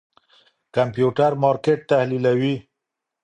کمپيوټر مارکېټ تحليلوي.